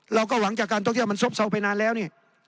เราก็หวังจากการท่องเที่ยวมันซบเซาไปนานแล้วนี่